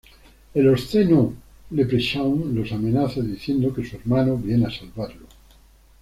El obsceno leprechaun los amenaza diciendo que su hermano viene a salvarlo.